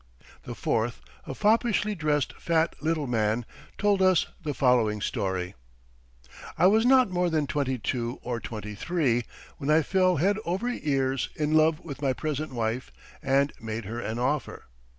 The fourth, a foppishly dressed, fat little man, told us the following story: "I was not more than twenty two or twenty three when I fell head over ears in love with my present wife and made her an offer.